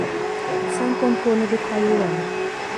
Santo Antônio do Caiuá